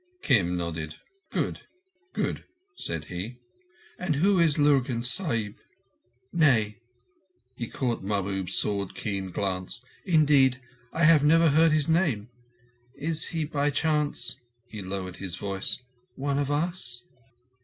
Kim nodded. "Good," said he, "and who is Lurgan Sahib? Nay"—he caught Mahbub's sword keen glance—"indeed I have never heard his name. Is he by chance—he lowered his voice—"one of us?"